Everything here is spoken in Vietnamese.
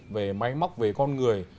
về máy móc về con người